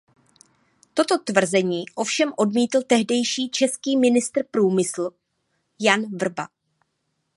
Toto tvrzení ovšem odmítl tehdejší český ministr průmyslu Jan Vrba.